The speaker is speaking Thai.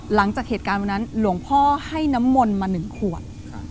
หลังจากเหตุการณ์วันนั้นหลวงพ่อให้น้ำมนต์มา๑ขวด